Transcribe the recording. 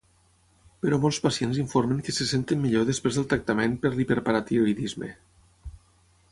Però molts pacients informen que se senten millor després del tractament per l'hiperparatiroïdisme.